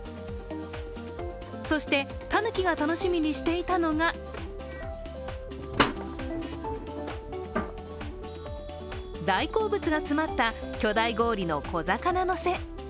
そして、たぬきが楽しみにしていたのが大好物が詰まった巨大氷の小魚のせ。